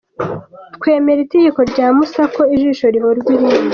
Twemera Itegeko rya Musa, ko ijisho rihorwa irindi.